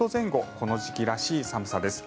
この時期らしい寒さです。